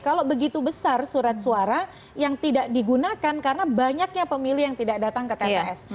kalau begitu besar surat suara yang tidak digunakan karena banyaknya pemilih yang tidak datang ke tps